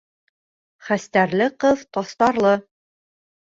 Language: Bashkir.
Хәстәрле ҡыҙ таҫтарлы.